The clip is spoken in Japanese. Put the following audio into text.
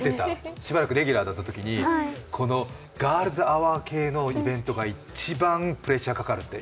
しばらくレギュラーだったときにこのガールズアワー系のイベントが一番プレッシャーがかかるって。